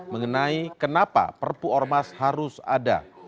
mengenai kenapa perpu ormas harus ada